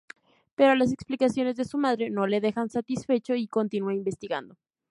Pero las explicaciones de su madre no le dejan satisfecho y continúa investigando.